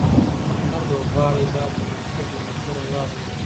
هر لوبغاړی باید مناسب یونیفورم واغوندي.